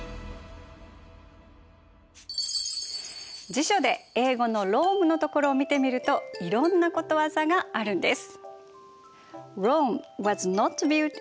辞書で英語のローマのところを見てみるといろんなことわざがあるんです。